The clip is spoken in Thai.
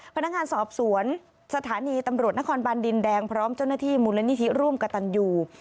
พนักงานสอบสวนสถานีตำรวจนครบันดินแดงพร้อมเจ้าหน้าที่มูลนิธิร่วมกับตันยู